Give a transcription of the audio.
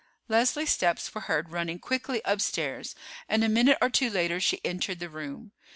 Leslie's steps were heard running quickly upstairs, and a minute or two later she entered the room.